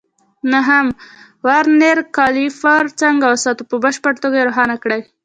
نهم: ورنیر کالیپر څنګه وساتو؟ په بشپړه توګه یې روښانه کړئ.